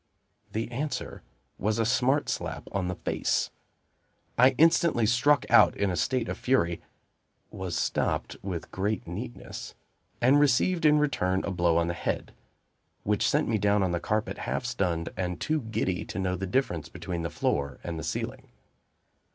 The answer was a smart slap on the face. I instantly struck out in a state of fury was stopped with great neatness and received in return a blow on the head, which sent me down on the carpet half stunned, and too giddy to know the difference between the floor and the ceiling.